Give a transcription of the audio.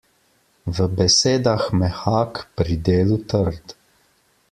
V besedah mehak, pri delu trd.